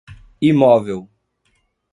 imóvel